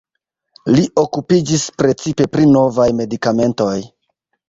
Li okupiĝis precipe pri novaj medikamentoj.